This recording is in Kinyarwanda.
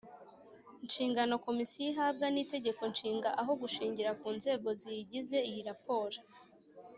nshingano Komisiyo ihabwa n Itegeko Nshinga aho gushingira ku nzego ziyigize iyi raporo